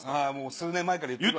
数年前から言ってるわ。